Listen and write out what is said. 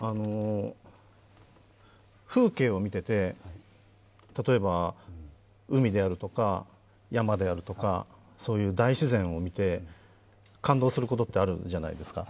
風景を見ていて、例えば海であるとか山であるとか、そういう大自然を見て感動することって、あるじゃないですか。